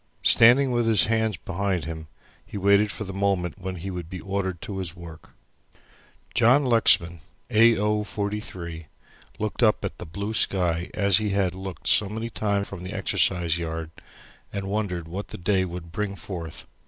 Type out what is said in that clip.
Standing with his hands behind him, he waited for the moment when he would be ordered to his work. John Lexman A. O. 43 looked up at the blue sky as he had looked so many times from the exercise yard, and wondered what the day would bring forth.